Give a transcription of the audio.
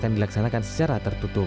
akan dilaksanakan secara tertutup